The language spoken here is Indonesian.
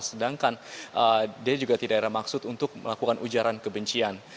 sedangkan dia juga tidak ada maksud untuk melakukan ujaran kebencian